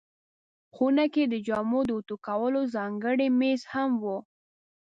خونه کې د جامو د اوتو کولو ځانګړی مېز هم و.